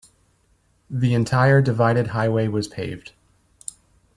The entire divided highway was paved.